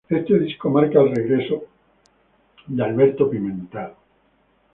Este disco marca el regreso de Alberto Pimentel.